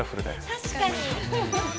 確かに。